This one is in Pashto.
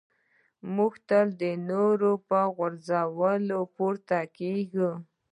موږ تل د نورو په غورځولو پورته کېږو.